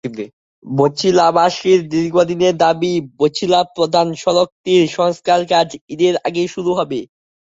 বছিলাবাসীর দীর্ঘদিনের দাবি বছিলা প্রধান সড়কটির সংস্কারকাজ ঈদের আগেই শুরু হবে।